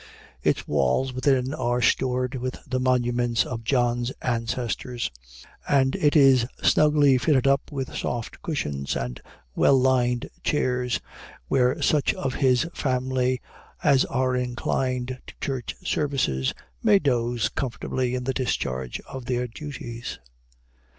Its walls within are stored with the monuments of John's ancestors; and it is snugly fitted up with soft cushions and well lined chairs, where such of his family as are inclined to church services, may doze comfortably in the discharge of their duties.